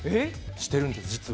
してるんです、実は。